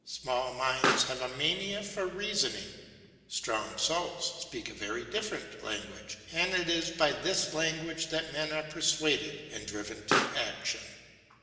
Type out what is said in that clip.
Small minds have a mania for reasoning. Strong souls speak a very different language, and it is by this language that men are persuaded and driven to action.